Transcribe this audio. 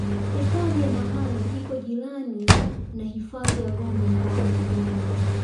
hifadhi ya mahale iko jirani na hifadhi ya gombe mkoani kigoma